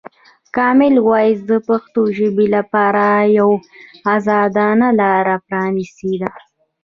کامن وایس د پښتو ژبې لپاره یوه ازاده لاره پرانیستې ده.